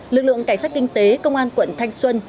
lực lượng cảnh sát kinh tế công an quận thanh xuân